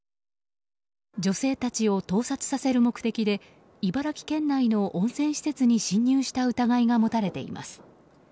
女性たちを盗撮させる目的で茨城県内の温泉施設に侵入した疑いが持たれています。